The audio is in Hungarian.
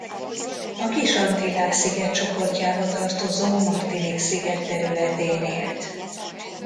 A Kis-Antillák szigetcsoportjába tartozó Martinique sziget területén élt.